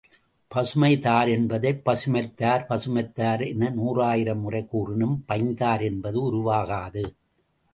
பசுமை தார் என்பதைப் பசுமைத்தார் பசுமைத்தார் என நூறாயிரம் முறை கூறினும் பைந்தார் என்பது உருவாகாது.